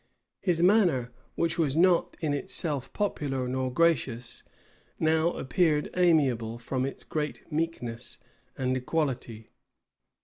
His manner, which was not in itself popular nor gracious, now appeared amiable, from its great meekness and equality.